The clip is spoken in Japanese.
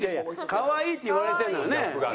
「可愛い」って言われてるのよね。